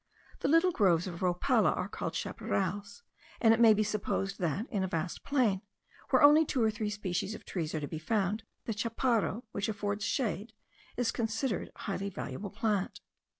The little groves of rhopala are called chaparales; and it may be supposed that, in a vast plain, where only two or three species of trees are to be found, the chaparro, which affords shade, is considered a highly valuable plant.